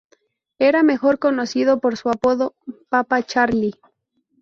Era mejor conocido por su apodo, Papa Charlie.